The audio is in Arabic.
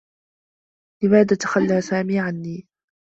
لماذا تخلّى سامي عنّي؟